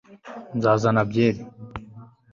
nzazana byeri